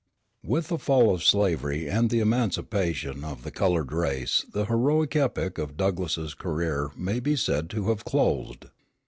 With the fall of slavery and the emancipation of the colored race the heroic epoch of Douglass's career may be said to have closed.